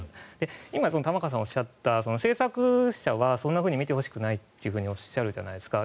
今、玉川さんがおっしゃった制作者はそんなふうに見てほしくないっておっしゃるじゃないですか。